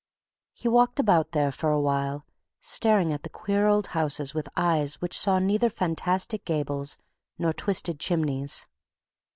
He walked about there a while, staring at the queer old houses with eyes which saw neither fantastic gables nor twisted chimneys.